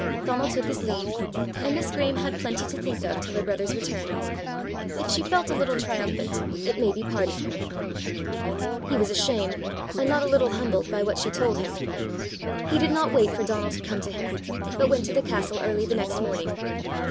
Donal took his leave, and Miss Graeme had plenty to think of till her brother's return: if she felt a little triumphant, it may be pardoned her. He was ashamed, and not a little humbled by what she told him. He did not wait for Donal to come to him, but went to the castle early the next morning.